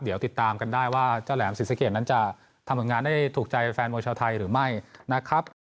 เดี๋ยวติดตามกันได้ว่าเจ้าแหลมศรีสะเกดนั้นจะทำผลงานได้ถูกใจแฟนมวยชาวไทยหรือไม่นะครับ